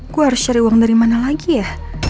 gue harus cari uang dari mana lagi ya